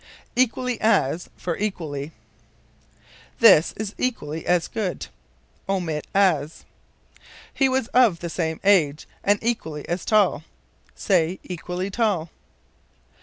Equally as for Equally. "This is equally as good." Omit as. "He was of the same age, and equally as tall." Say, equally tall.